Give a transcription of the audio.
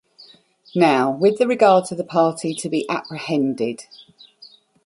Now, with regard to the party to be apprehended.